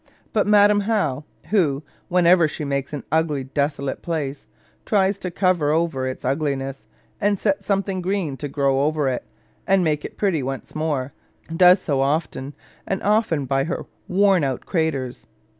But Madam How, who, whenever she makes an ugly desolate place, always tries to cover over its ugliness, and set something green to grow over it, and make it pretty once more, does so often and often by her worn out craters.